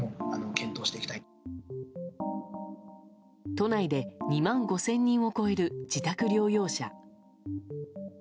都内で２万５０００人を超える自宅療養者。